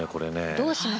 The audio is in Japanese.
どうします？